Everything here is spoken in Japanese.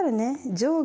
上下